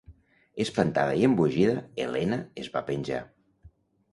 Espantada i embogida, Helena es va penjar.